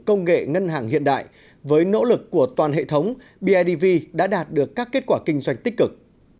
công nghệ ngân hàng hiện đại với nỗ lực của toàn hệ thống bidv đã đạt được các kết quả kinh doanh tích cực